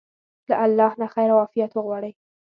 له الله نه خير او عافيت وغواړئ.